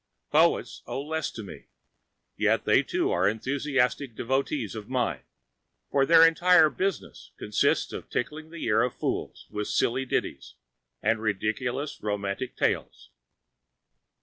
The poets owe less to me. Yet they, too, are enthusiastic devotees of mine, for their entire business consists in tickling the ears of fools with silly ditties and ridiculously romantic tales.